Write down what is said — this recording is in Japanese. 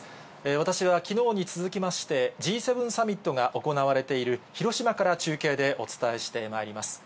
私はきのうに続きまして、Ｇ７サミットが行われている広島から中継でお伝えしてまいります。